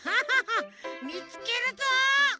みつけるぞ！